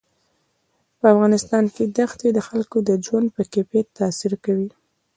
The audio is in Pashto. په افغانستان کې دښتې د خلکو د ژوند په کیفیت تاثیر کوي.